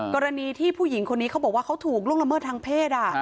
กรณีที่ผู้หญิงคนนี้เขาบอกว่าเขาถูกล่วงละเมิดทางเพศ